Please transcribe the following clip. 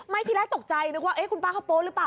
ที่แรกตกใจนึกว่าคุณป้าเขาโป๊ะหรือเปล่า